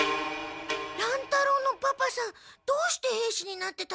乱太郎のパパさんどうして兵士になってたたかってたの？